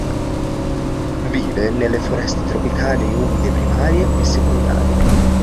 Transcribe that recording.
Vive nelle foreste tropicali umide primarie e secondarie.